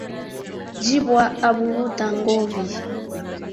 Jibwa aburuta ngovi